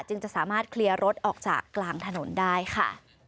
จะสามารถเคลียร์รถออกจากกลางถนนได้ค่ะ